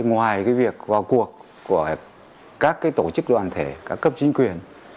ngoài việc vào cuộc của các tổ chức đoàn thể các cấp chính quyền